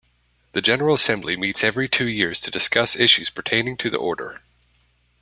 The General Assembly meets every two years to discuss issues pertaining to the Order.